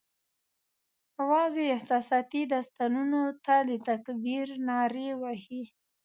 یوازي احساساتي داستانونو ته د تکبیر نارې وهي